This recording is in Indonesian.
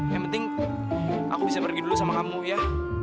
yang penting aku bisa pergi dulu sama kamu ya